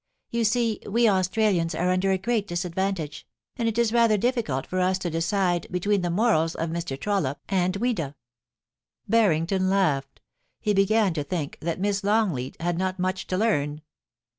You .see we Australians are under a great disadvantage, and it is rather difficult for us to decide be tween the morals of Mr. Trollope and Ouida.* Barrington laughed He began to think that Miss Long leat had not much to learn.